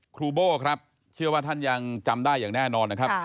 โบ้ครับเชื่อว่าท่านยังจำได้อย่างแน่นอนนะครับ